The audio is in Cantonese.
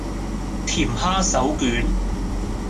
甜蝦手卷